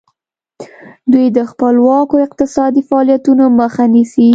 دوی د خپلواکو اقتصادي فعالیتونو مخه نیسي.